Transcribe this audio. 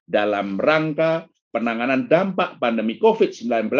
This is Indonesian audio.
dalam rangka penanganan dampak pandemi covid sembilan belas